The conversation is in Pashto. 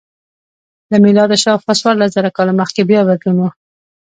له میلاده شاوخوا څوارلس زره کاله مخکې بیا بدلون و